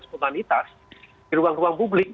spontanitas di ruang ruang publik